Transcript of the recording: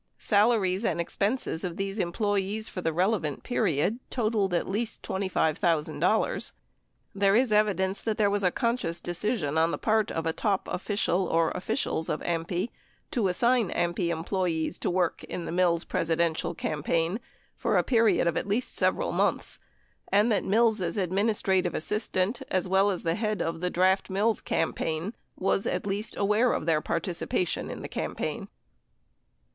Salaries and expenses of these employees for the relevant period totaled at least $25,000. There is evidence that there was a conscious decision on the part of a top official, or officials, of AMPI to assign AMPI employees to work in the Mills Presidential campaign for a period of at least several months, and that Mills' administrative assistant as well as the head of the Draft Mills campaign was at least aware of their partic ipation in the campaign.